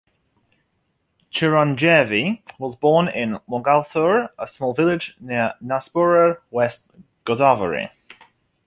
Chiranjeevi was born in Mogalthur, a small village near Narsapur, West Godavari.